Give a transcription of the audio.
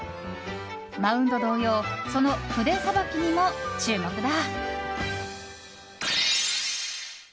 マウンド同様その筆さばきにも注目だ。